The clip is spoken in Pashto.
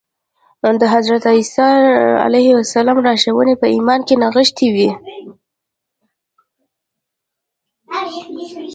د حضرت عیسی علیه السلام لارښوونې په ایمان کې نغښتې وې